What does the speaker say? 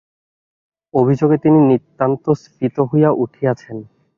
অভিমানে তিনি নিতান্ত স্ফীত হইয়া উঠিয়াছেন।